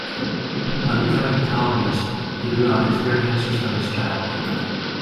On becoming a columnist, he drew on experiences from his childhood.